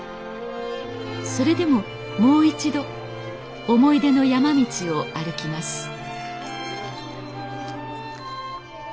それでももう一度思い出の山道を歩きます